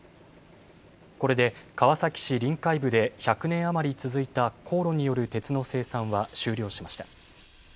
これで川崎市臨海部で１００年余り続いた高炉による鉄の生産は終了しました。